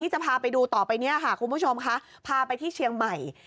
จะพาไปดูต่อไปเนี่ยค่ะคุณผู้ชมค่ะพาไปที่เชียงใหม่